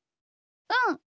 うん。